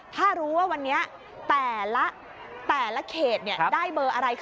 ถ้ารู้ว่าวันนี้แต่ละเขตได้เบอร์อะไร